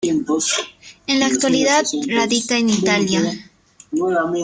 En la actualidad radica en Italia.